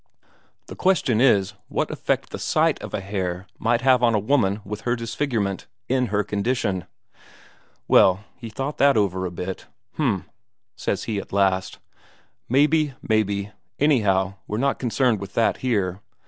The question is, what effect the sight of a hare might have on a woman with her disfigurement, in her condition.' Well, he thought over that for a bit. 'H'm,' says he at last. 'Maybe, maybe. Anyhow, we're not concerned with that here.